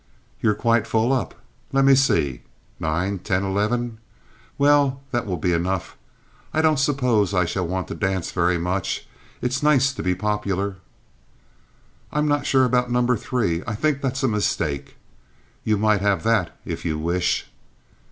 "You're quite full up. Let me see. Nine, ten, eleven. Well, that will be enough. I don't suppose I shall want to dance very much. It's nice to be popular." "I'm not sure about number three. I think that's a mistake. You might have that if you wish."